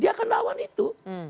dia akan lawan itu